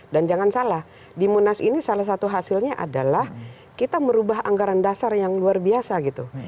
dan jangan salah di munas ini salah satu hasilnya adalah kita merubah anggaran dasar yang luar biasa gitu